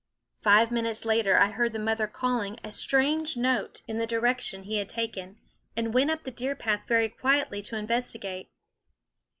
Five minutes later I heard the mother calling a strange note in the direction he had taken, and went up the deer path very quietly to investigate.